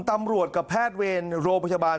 ตำรวจกับแพทย์เวรโรคพยาบาล